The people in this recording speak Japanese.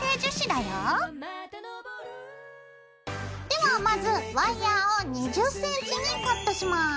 ではまずワイヤーを２０ｃｍにカットします。